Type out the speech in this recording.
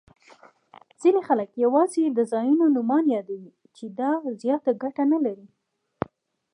ځیني خلګ یوازي د ځایونو نومونه یادوي، چي دا زیاته ګټه نلري.